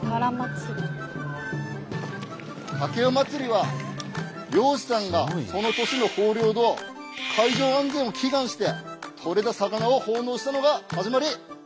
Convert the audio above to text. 掛魚まつりは漁師さんがその年の豊漁と海上安全を祈願してとれた魚を奉納したのが始まり。